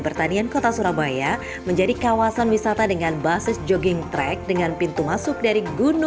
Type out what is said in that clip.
pertanian kota surabaya menjadi kawasan wisata dengan basis jogging track dengan pintu masuk dari gunung